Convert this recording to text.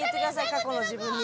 過去の自分に。